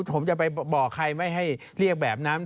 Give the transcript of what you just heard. ผมจะไปบอกใครไม่ให้เรียกแบบนั้น